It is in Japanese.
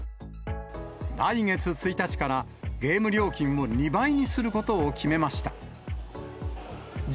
来月１日から、ゲーム料金を２倍にすることを決めました。